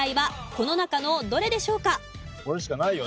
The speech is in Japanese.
これしかないよね。